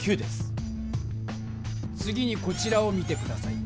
次にこちらを見て下さい。